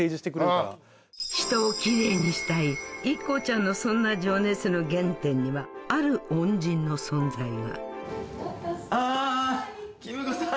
人をキレイにしたいＩＫＫＯちゃんのそんな情熱の原点にはある恩人の存在があ公子さん。